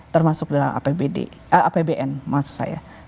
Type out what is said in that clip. termasuk dalam apbn maksud saya